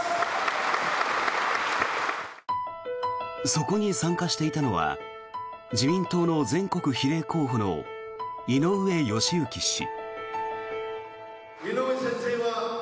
そこに参加していたのは自民党の全国比例候補の井上義行氏。